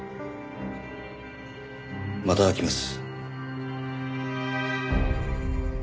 また来ます。